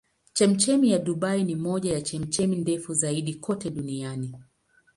Chemchemi ya Dubai ni moja ya chemchemi ndefu zaidi kote duniani.